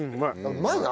うまいな。